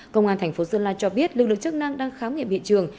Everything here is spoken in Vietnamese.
công an thành phố sơn la cho biết lực lượng chức năng đang khám nghiệm hiện trường